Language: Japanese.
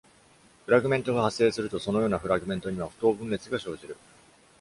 フラグメントが発生すると、そのようなフラグメントには不当分裂が生じる。